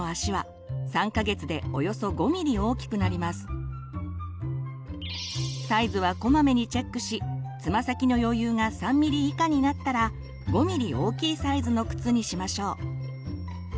一般的にサイズはこまめにチェックしつま先の余裕が３ｍｍ以下になったら５ｍｍ大きいサイズの靴にしましょう。